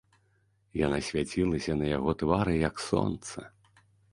Яна свяцілася на яго твары, як сонца.